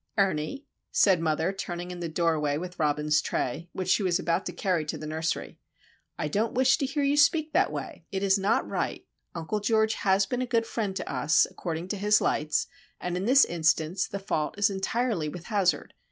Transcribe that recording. "Ernie," said mother, turning in the doorway with Robin's tray, which she was about to carry to the nursery, "I don't wish you to speak that way. It is not right. Uncle George has been a good friend to us, according to his lights, and in this instance the fault is entirely with Hazard.